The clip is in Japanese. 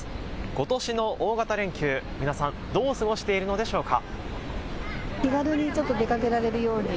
ことしの大型連休、皆さん、どう過ごしているのでしょうか。